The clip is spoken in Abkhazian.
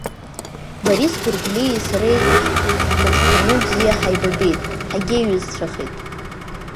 Борис Гәыргәлиеи сареи ҳхәыҷқәаны бзиа ҳаибабеит, ҳагьеиҩызцәахеит.